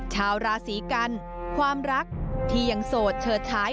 ชาวราศีกันความรักที่ยังโสดเฉิดฉาย